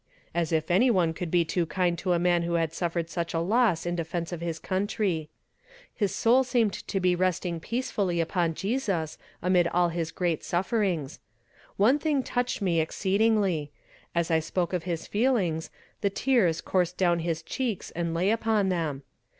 As if any one could be too kind to a man who had suffered such a loss in defense of his country. His soul seemed to be resting peacefully upon Jesus amid all his great sufferings. One thing touched me exceedingly: As I spoke of his feelings, the tears coursed down his cheeks and lay upon them.